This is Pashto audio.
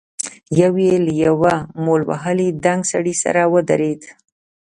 يو يې له يوه مول وهلي دنګ سړي سره ودرېد.